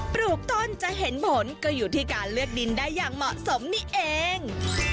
ปลูกต้นจะเห็นผลก็อยู่ที่การเลือกดินได้อย่างเหมาะสมนี่เอง